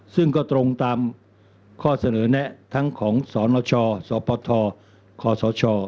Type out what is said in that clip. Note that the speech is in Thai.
ซึ่งก็ตรงตามข้อเสนอแนะทั้งของสนชสปทคศช